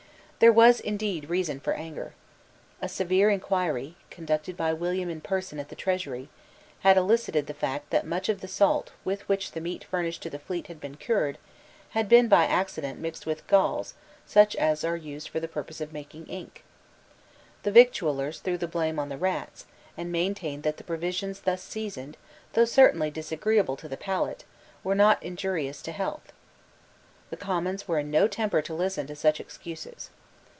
There was indeed reason for anger. A severe inquiry, conducted by William in person at the Treasury, had just elicited the fact that much of the salt with which the meat furnished to the fleet had been cured had been by accident mixed with galls such as are used for the purpose of making ink. The victuallers threw the blame on the rats, and maintained that the provisions thus seasoned, though certainly disagreeable to the palate, were not injurious to health, The Commons were in no temper to listen to such excuses.